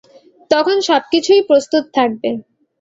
তখন সব কিছুই প্রস্তুত থাকবে।